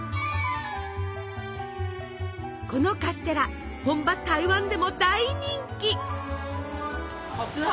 このカステラ本場台湾でも大人気。